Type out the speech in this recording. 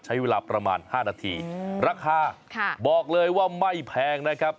ใช้เวลาประมาณ๕นาทีราคาบอกเลยว่าไม่แพงนะครับ